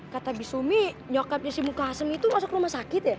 kata bisumi nyokapnya si muka asem itu masuk rumah sakit ya